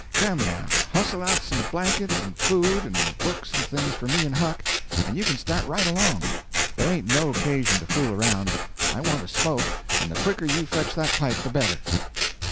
Come, now, hustle out some blankets and food and books and things for me and Huck, and you can start right along. There ain't no occasion to fool around—I want a smoke, and the quicker you fetch that pipe the better."